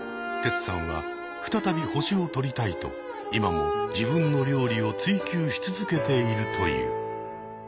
テツさんは再び星を取りたいと今も自分の料理を追求し続けているという。